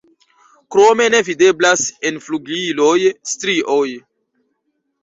Krome ne videblas en flugiloj strioj.